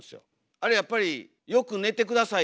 あれやっぱりよく寝て下さいねっていう。